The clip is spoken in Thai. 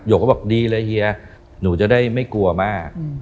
กก็บอกดีเลยเฮียหนูจะได้ไม่กลัวมาก